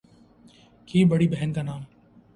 کی بڑی بہن کا نام